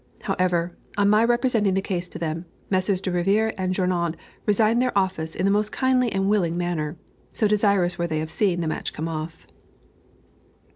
However, on my representing the case to them, Messrs. De Rivière and Journoud resigned their office in the most kindly and willing manner, so desirous were they of seeing the match come off.